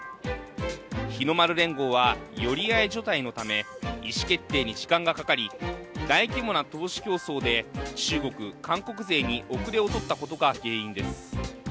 日の丸連合は寄り合い所帯のため意思決定に時間がかかり、大規模な投資競争で中国・韓国勢に遅れをとったことが原因です。